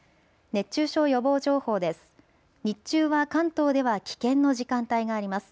熱中症予防情報です。